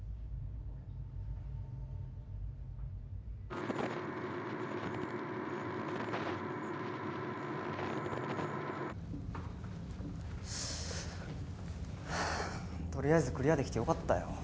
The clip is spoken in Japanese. とりあえずクリアできてよかったよ。